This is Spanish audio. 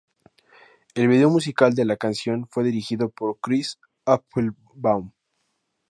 El video musical de la canción fue dirigido por Chris Applebaum.